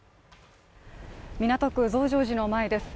港区増上寺の前です。